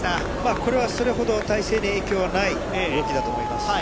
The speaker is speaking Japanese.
これはそれほど体勢に影響はない動きだと思います。